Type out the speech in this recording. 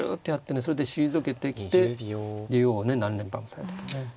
それで退けてきて竜王を何連覇もされててね。